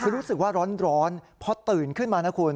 คือรู้สึกว่าร้อนพอตื่นขึ้นมานะคุณ